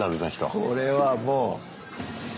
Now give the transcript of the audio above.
これはもう。